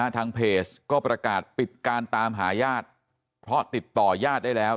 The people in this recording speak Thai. ทางเพจก็ประกาศปิดการตามหาญาติเพราะติดต่อยาดได้แล้ว